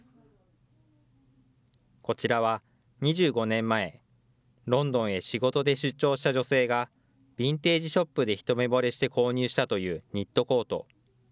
こちらは、２５年前、ロンドンへ仕事で出張した女性がビンテージショップで一目ぼれして購入したというニットコート。